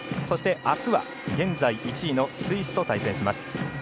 そして、あすは現在１位のスイスと対戦します。